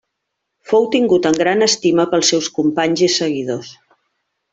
Fou tingut en gran estima pels seus companys i seguidors.